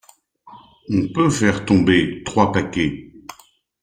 On peut faire tomber trois paquets.